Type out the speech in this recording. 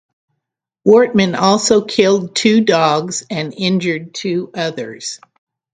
Wortman also killed two dogs and injured two others.